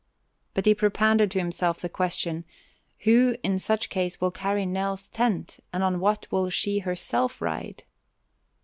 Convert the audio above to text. But he propounded to himself the question, who in such case will carry Nell's tent and on what will she herself ride?